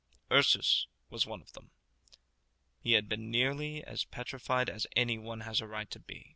Ursus was of them. He had been as nearly petrified as any one has a right to be.